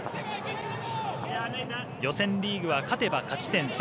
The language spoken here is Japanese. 予選リーグは勝てば勝ち点３。